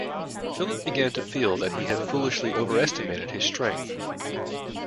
Philip began to feel that he had foolishly overestimated his strength.